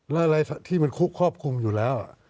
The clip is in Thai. และอะไรที่มันควบคุมอยู่แล้ว